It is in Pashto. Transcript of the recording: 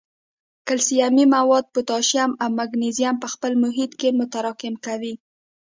کلسیمي مواد، پوټاشیم او مګنیزیم په خپل محیط کې متراکم کوي.